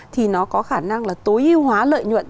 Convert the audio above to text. thì nó có khả năng là tối ưu hóa lợi nhuận